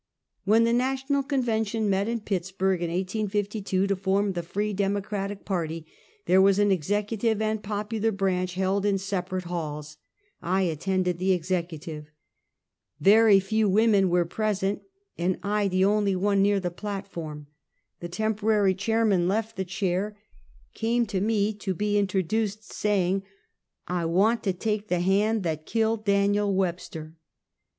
When the National Convention met in Pittsburg, in 1852, to form the Free Democratic party, there was an executive and popular branch held in separate halls. I attended the executive. Very few women were present, and I the only one near the platform. The temporary chairman left the chair, came to me to be introduced, saying :" I want to take the hand that killed Daniel Web ster."